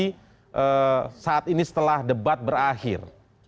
apa kondisi saat ini setelah debat berakhir